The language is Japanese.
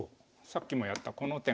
さっきもやったこの手が。